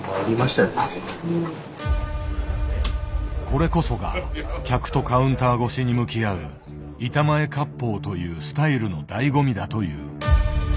これこそが客とカウンター越しに向き合う「板前割烹」というスタイルのだいご味だという。